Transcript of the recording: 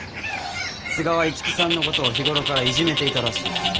都賀は一木さんのことを日頃からいじめていたらしい。